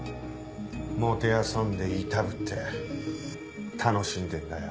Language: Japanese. もてあそんでいたぶって楽しんでんだよ。